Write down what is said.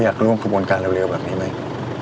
อยากร่วมขบวนการเร็วแบบนี้ไหม